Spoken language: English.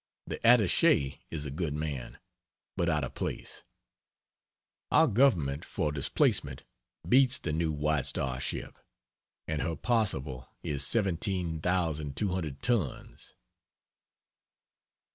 The Attache is a good man, but out of place. Our government for displacement beats the new White Star ship; and her possible is 17,200 tons.)